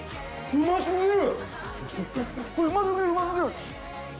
うま過ぎる！